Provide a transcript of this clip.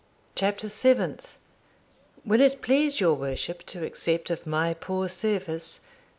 CHAPTER SEVENTH. "Will it please your worship to accept of my poor service?